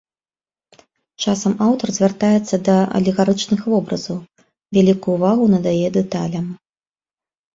Часам аўтар звяртаецца да алегарычных вобразаў, вялікую ўвагу надае дэталям.